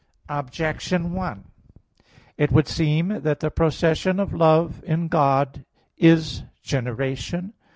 Objection 1: It would seem that the procession of love in God is generation.